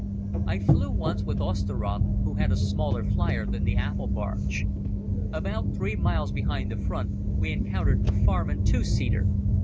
I flew once with Osteroth who had a smaller flier than the apple barge. About three miles behind the front we encountered a Farman Two seater.